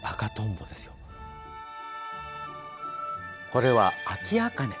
これは、アキアカネ。